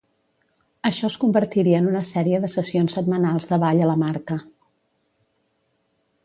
Això es convertiria en una sèrie de sessions setmanals de ball a la marca.